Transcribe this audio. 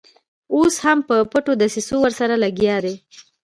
اوس هم په پټو دسیسو ورسره لګیا دي.